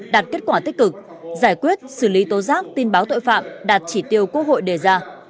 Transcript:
đạt kết quả tích cực giải quyết xử lý tố giác tin báo tội phạm đạt chỉ tiêu quốc hội đề ra